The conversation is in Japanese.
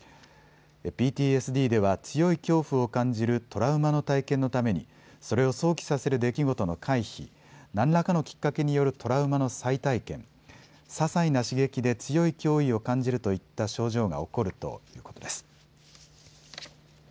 ＰＴＳＤでは強い恐怖を感じるトラウマの体験のためにそれを想起させる出来事の回避、何らかのきっかけによるトラウマの再体験、ささいな刺激で強い脅威を感じるといった症状が起こるということです。